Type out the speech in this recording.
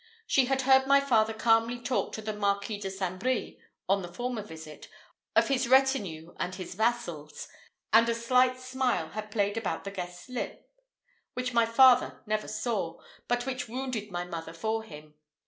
She had heard my father calmly talk to the Marquis de St. Brie, on the former visit, of his retinue and his vassals; and a slight smile had played about the guest's lip, which my father never saw, but which wounded my mother for him.